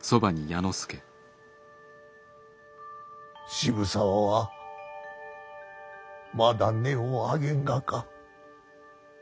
渋沢はまだ音を上げんがか。